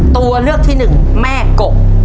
ตัวเลือกที่หนึ่งแม่กบ